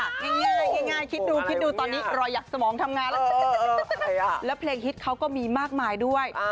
ง่ายคิดดูตอนนี้รอยหยักสมองทำงานแล้วและเพลงฮิตเขาก็มีมากมายด้วย